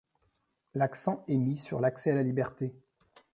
L’accent est mis sur l’accès à la liberté.